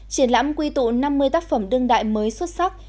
triển lãm quy tụ năm mươi tác phẩm đương đại mới xuất sắc